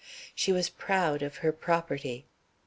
She was proud of her property.